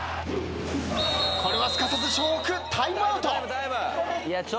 これはすかさず笑北タイムアウト。